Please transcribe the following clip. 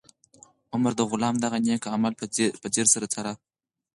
عمر د غلام دغه نېک عمل په ځیر سره څاره.